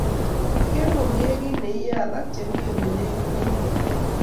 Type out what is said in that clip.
Ker komie kit ne yaei alak che mi ole lekit ak inye